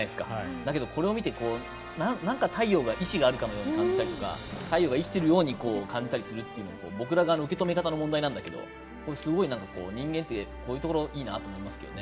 だけど、これを見てなんか太陽が意思があるかのように感じたりとか太陽が生きているように感じたりするというのを僕ら側の受け止めの問題なんだけどすごい人間って、こういうところいいなと思いますね。